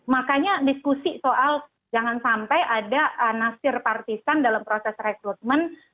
makanya diskusi soal jangan sampai ada nasir partisan dalam proses rekrutmen